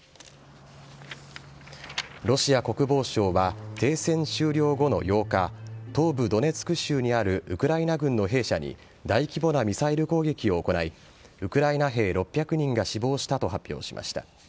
ロシア国防省は、停戦終了後の８日、東部ドネツク州にあるウクライナ軍の兵舎に大規模なミサイル攻撃を行い、ウクライナ兵６００人が死亡したと発表しました。